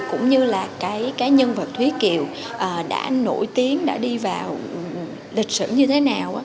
cũng như là cái nhân vật thúy kiều đã nổi tiếng đã đi vào lịch sử như thế nào